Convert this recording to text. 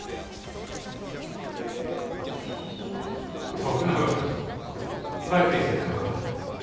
徳永君帰ってきてたのか。